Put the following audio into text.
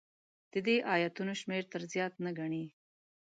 د دې ایتونو شمېر تر زیات نه ګڼي.